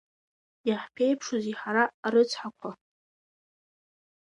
Иаҳԥеиԥшузеи ҳара арыцҳақәа?!